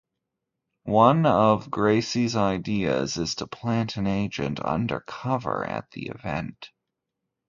One of Gracie's ideas is to plant an agent undercover at the event.